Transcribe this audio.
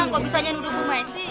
kok misalnya nuduh bu messi